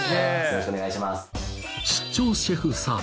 よろしくお願いします